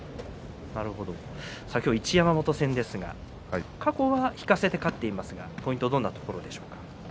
一山本戦ですが過去、引かせて勝っていますがポイントはどんなところでしょうか？